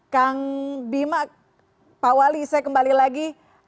kang bima pak wali saya kembali lagi